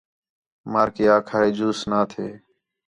مارکے آکھا ہے جوس نا تھے